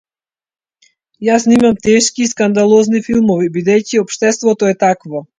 Јас снимам тешки и скандалозни филмови бидејќи општеството е такво.